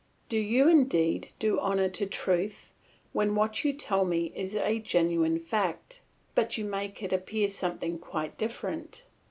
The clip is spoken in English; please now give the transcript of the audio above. Do you indeed do honour to truth when what you tell me is a genuine fact, but you make it appear something quite different?